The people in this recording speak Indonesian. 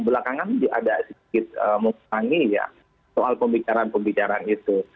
belakangan juga agak sedikit mengurangi soal pembicaraan pembicaraan itu